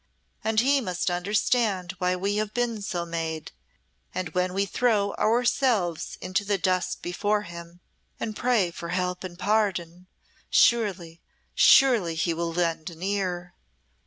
And He must understand why we have been so made, and when we throw ourselves into the dust before Him, and pray for help and pardon, surely surely He will lend an ear!